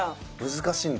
難しいんだ。